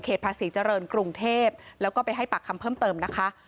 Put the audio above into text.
ภาษีเจริญกรุงเทพแล้วก็ไปให้ปากคำเพิ่มเติมนะคะ